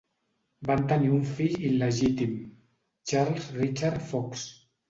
Van tenir un fill il·legítim, Charles Richard Fox.